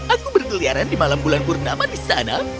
aku berkeliaran di malam bulan purnama di sana